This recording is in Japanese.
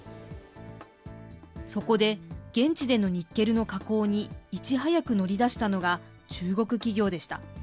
そこで、現地でのニッケルの加工にいち早く乗り出したのが、中国企業でした。